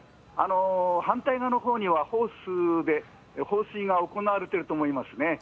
反対側のほうには、ホースで放水が行われていると思いますね。